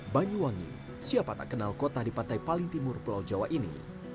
banyuwangi siapa tak kenal kota di pantai paling timur pulau jawa ini